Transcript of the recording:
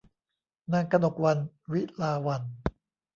นางกนกวรรณ วิลาวัลย์